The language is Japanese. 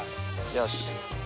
よし。